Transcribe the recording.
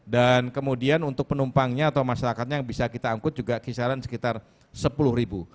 dan kemudian untuk penumpangnya atau masyarakatnya yang bisa kita angkut juga kisaran sekitar sepuluh ribu